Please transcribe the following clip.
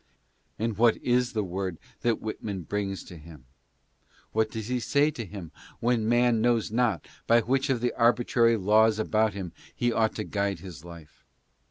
And what is the word that Whitman brings to him ? What does he say to him when man knows not by. which of the arbitrary laws about him he ought to guide his life